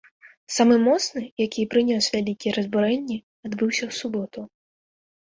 Самы моцны, які і прынёс вялікія разбурэнні, адбыўся ў суботу.